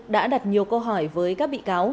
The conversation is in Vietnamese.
đã đặt nhiều câu hỏi với các bị cáo